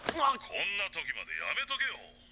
「こんな時までやめとけよ」。